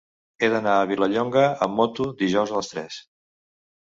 He d'anar a Vilallonga amb moto dijous a les tres.